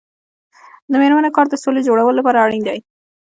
د میرمنو کار د سولې جوړولو لپاره اړین دی.